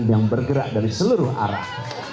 yang bergerak dari seluruh arah